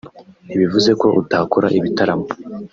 ntibivuze ko utakora ibitaramo